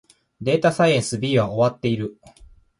データサイエンス B は終わっている